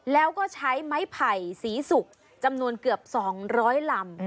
แล้วก็ใช้ไม้ไผ่สีสุกจำนวนเกือบ๒๐๐ลำ